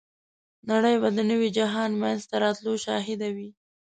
نړۍ به د نوي جهان منځته راتلو شاهده وي.